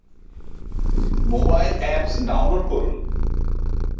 mobile apps download করুন